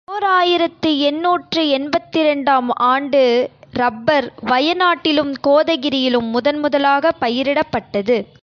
ஓர் ஆயிரத்து எண்ணூற்று எண்பத்திரண்டு ஆம் ஆண்டு இரப்பர் வயநாட்டிலும் கோதகிரியிலும் முதன் முதலாகப் பயிரிடப்பட்டது.